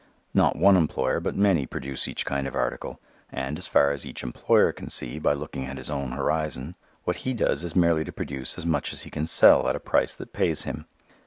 Not one employer but many produce each kind of article. And, as far as each employer can see by looking at his own horizon, what he does is merely to produce as much as he can sell at a price that pays him.